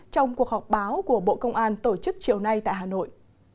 trong cuộc họp báo của bộ công an tổ chức chiều nay tại hà nội